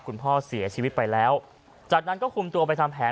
คุณพ่อเสียชีวิตไปแล้วจากนั้นก็คุมตัวไปทำแผน